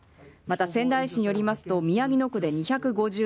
また仙台市によりますと宮城野区で２５４人